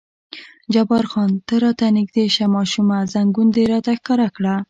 جبار خان: ته را نږدې شه ماشومه، زنګون دې راته ښکاره کړه.